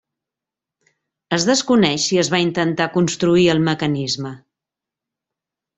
Es desconeix si es va intentar construir el mecanisme.